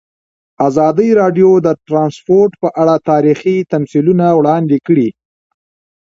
ازادي راډیو د ترانسپورټ په اړه تاریخي تمثیلونه وړاندې کړي.